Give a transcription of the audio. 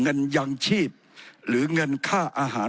ผมจะขออนุญาตให้ท่านอาจารย์วิทยุซึ่งรู้เรื่องกฎหมายดีเป็นผู้ชี้แจงนะครับ